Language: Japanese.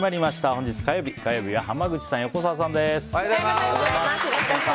本日火曜日、火曜日は濱口さん、横澤さんです。